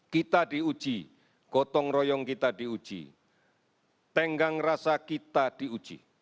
kita diuji gotong royong kita diuji tenggang rasa kita diuji